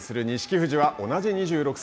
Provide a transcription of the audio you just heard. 富士は同じ２６歳。